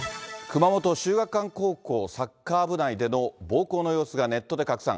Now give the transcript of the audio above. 熊本・秀岳館高校サッカー部内での暴行の様子がネットで拡散。